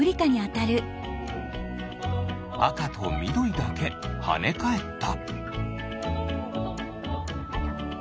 あかとみどりだけはねかえった。